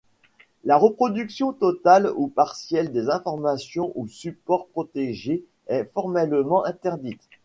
La reproduction totale ou partielle des informations ou supports protégés est formellement interdite.